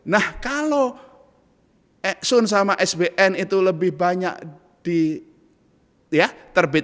nah kalau sun sama sbsn itu lebih banyak di ya terbit